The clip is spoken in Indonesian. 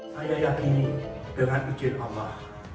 saya yakini dengan izin allah